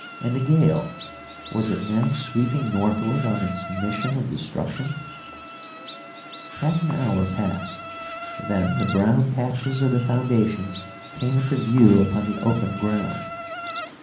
And the gale was it now sweeping northward on its mission of destruction? Half an hour passed. Then the brown patches of the foundations came into view upon the open ground.